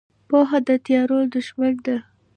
پوهه د تیارو دښمن ده.